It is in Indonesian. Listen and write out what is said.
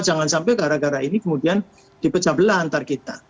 jangan sampai gara gara ini kemudian dipecah belah antar kita